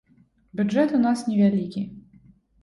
Бюджэт у нас невялікі.